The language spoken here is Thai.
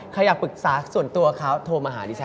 ใครอยากปรึกษาส่วนตัวเขาโทรมาหาดิฉัน